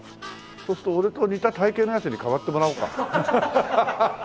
そうすると俺と似た体形のヤツに代わってもらおうか。